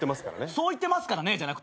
そう言ってますからねじゃなくて。